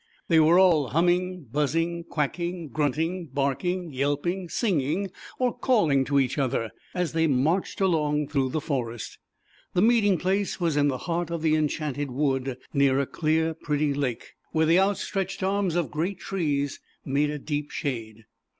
They were all humming, buzzing, quacking, grunting, arking, yelping, singing or calling to ach other, as they marched along ^flA^ough the forest. The Meeting Place * vv^l'in the heart of the Enchanted Wood near a clear pretty lake, where the out fr ZAUBERLINDA, THE WISE WITCH. 227 a stretched arms of great trees made deep shade.